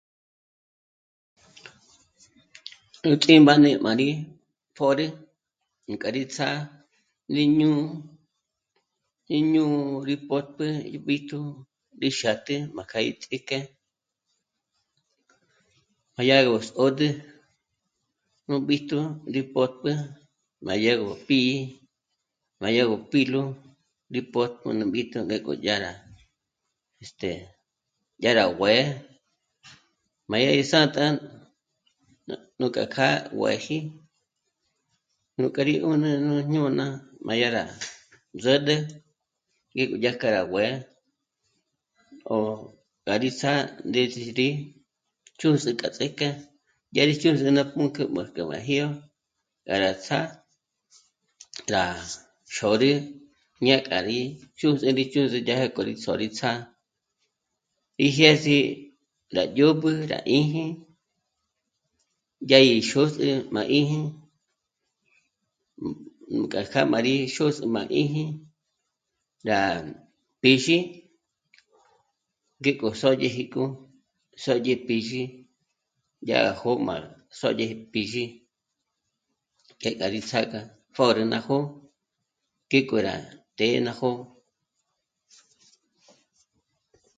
Nú ts'ímbáne má rí pjö̌rü nú k'a rí ts'â'a rí ñù'u, rí ñù'u rí pö̀'pjü b'íjtu rí xâ'tjü má k'a í ts'íjk'e, má yá gó sôd'ü nú b'íjtu rí pö̀'pjü má yá gó pì'i, má yá gó pîlu, rí pö̀'pjü nú b'íjtu ngék'o yá, este... dyá rá b'uë́'ë, má yá gí sà'ta nú k'a kjâ'a kuë̌ji nú k'a rí 'ùnü nú jñôna má yá rá s'ä̌d'ä ngík'o dyà k'a rá b'uë́'ë ó k'a rí sà'a ndízi rí chjǚs'ü k'a ts'íjk'e, yá rí chjǚs'ü ná pǔnk'ü máj k'a má jí'o para ts'â'a rá xôrü, ñá'a k'a rí chjǚs'ü, rí chjǚs'ü dyája k'o rí só'o rí ts'â'a, í jyês'í rá dyôb'ü rá 'ī́jī dyá í xûs'ü má 'ī́jī nú k'a kjâ'a má rí, rá xôs'ü má 'ī́jī rá pǐzhi ngék'o sódyeji k'u, nú sódye pǐzhi dya gá jó'o má sódye pǐzhi, ngék'a rí sàk'a pjö̌rü ná jó'o, ngék'o rá të́'ë ná jó'o